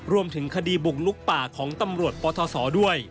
รวมถึงคดีบุกลุกป่าของตำรวจปทศด้วย